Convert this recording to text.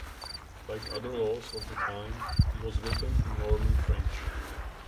Like other laws of the time, it was written in Norman French.